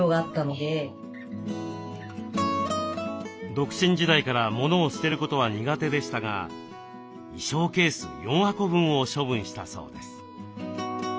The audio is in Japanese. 独身時代からモノを捨てることは苦手でしたが衣装ケース４箱分を処分したそうです。